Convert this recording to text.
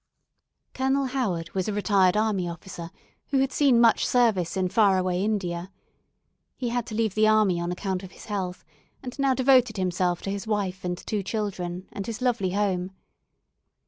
Colonel Howard was a retired army officer who had seen much service in far away India. He had to leave the army on account of his health, and now devoted himself to his wife and two children, and his lovely home.